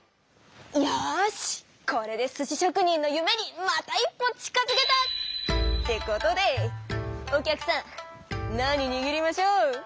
よしこれで寿司しょく人のゆめにまた一歩近づけた！ってことでお客さん何にぎりましょう？